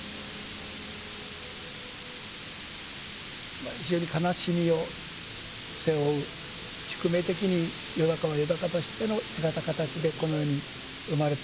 まあ非常に悲しみを背負う宿命的によだかはよだかとしての姿形でこの世に生まれてきた。